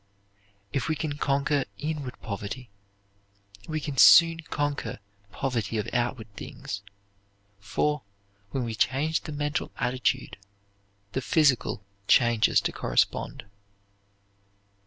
If we can conquer inward poverty, we can soon conquer poverty of outward things, for, when we change the mental attitude, the physical changes to correspond.